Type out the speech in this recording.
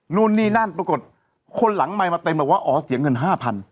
นู่นนี่นั่นปรากฏคนหลังไมค์มาเต็มบอกว่าอ๋อเสียเงิน๕๐๐